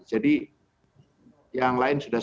jadi yang lain sudah